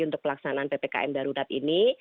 untuk pelaksanaan ppkm darurat ini